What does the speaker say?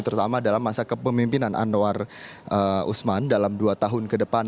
terutama dalam masa kepemimpinan anwar usman dalam dua tahun ke depan